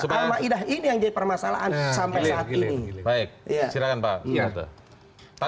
al ma'idah ini yang jadi permasalahan sampai saat ini